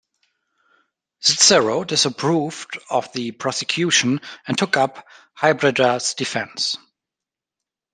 Cicero disapproved of the prosecution and took up Hybrida's defense.